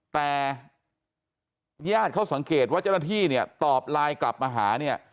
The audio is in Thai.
แต่ญาติเขาสังเกตว่าเจ้าหน้าที่เนี่ยตอบไลน์กลับมาหาเนี่ย